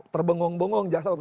terbengong bengong jaksa waktu itu